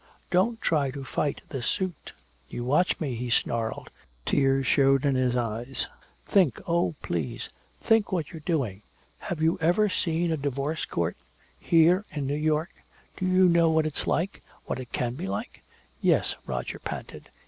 Don't try to fight this suit!" "You watch me!" he snarled. Tears showed in her eyes: "Think! Oh, please! Think what you're doing! Have you ever seen a divorce court here, in New York? Do you know what it's like? What it can be like?" "Yes," Roger panted.